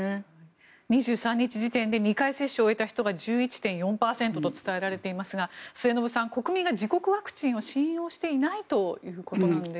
２３日時点で２回接種を終えた人が１１．４％と伝えられていますが末延さん、国民が自国ワクチンを信用していないということなんでしょうか。